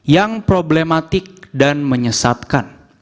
yang problematik dan menyesatkan